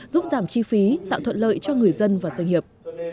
giúp giảm chi phí tạo thuận lợi cho người dân và doanh nghiệp